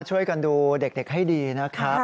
ช่วยกันดูเด็กให้ดีนะครับ